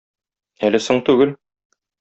Әле соң түгел!